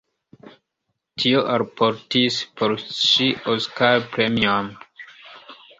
Tio alportis por ŝi Oscar-premion.